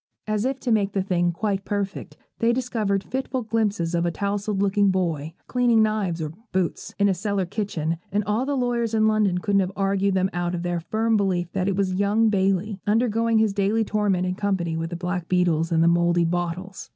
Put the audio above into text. As if to make the thing quite perfect, they discovered fitful glimpses of a tousled looking boy, cleaning knives or boots, in a cellar kitchen; and all the lawyers in London couldn't have argued them out of their firm belief that it was young Bailey, undergoing his daily torment in company with the black beetles and the mouldy bottles.